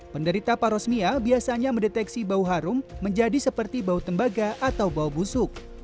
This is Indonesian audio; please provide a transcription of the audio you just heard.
penderita parosmia biasanya mendeteksi bau harum menjadi seperti bau tembaga atau bau busuk